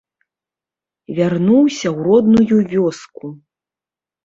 Вярнуўся ў родную вёску.